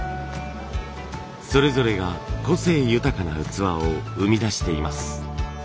それぞれが個性豊かな器を生み出しています。